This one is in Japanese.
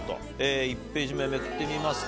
１ページ目めくってみますか。